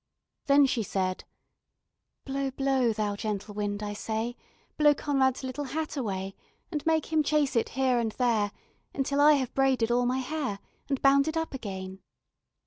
Then she said: "Blow, blow, thou gentle wind, I say, Blow Conrad's little hat away, And make him chase it here and there, Until I have braided all my hair, And bound it up again.